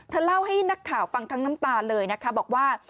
เล่าให้นักข่าวฟังทั้งน้ำตาเลยนะคะบอกว่า